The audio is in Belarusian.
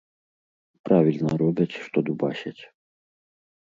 Правільна робяць, што дубасяць.